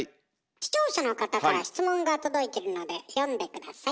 視聴者の方から質問が届いてるので読んで下さい。